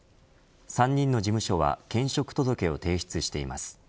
３人の事務所は兼職届を提出しています。